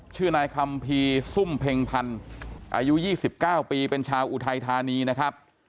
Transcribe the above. ชื่อนายคัมภีร์ซุ่มเพ็งพันธ์อายุ๒๙ปีเป็นชาวอุทัยธานีนะครับ